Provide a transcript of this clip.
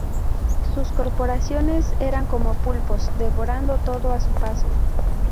Sus corporaciones eran como pulpos, devorando todo a su paso.